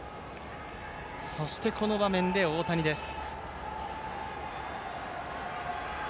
そしてこの場面で大谷です。